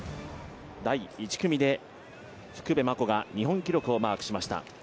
第１組で福部真子が日本記録をマークしました。